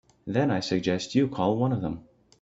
Then I suggest you call one of them.